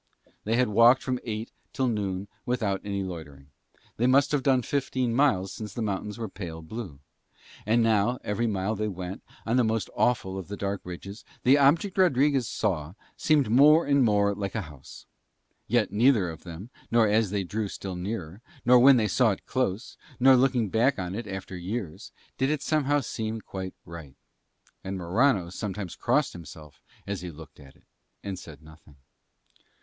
They had walked from eight till noon without any loitering. They must have done fifteen miles since the mountains were pale blue. And now, every mile they went, on the most awful of the dark ridges the object Rodriguez saw seemed more and more like a house. Yet neither then, nor as they drew still nearer, nor when they saw it close, nor looking back on it after years, did it somehow seem quite right. And Morano sometimes crossed himself as he looked at it, and said nothing.